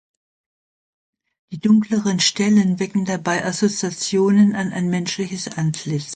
Die dunkleren Stellen wecken dabei Assoziationen an ein menschliches Antlitz.